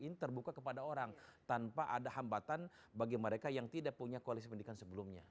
ini terbuka kepada orang tanpa ada hambatan bagi mereka yang tidak punya koalisi pendidikan sebelumnya